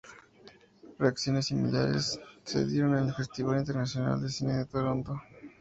Reacciones similares se dieron en el Festival Internacional de Cine de Toronto.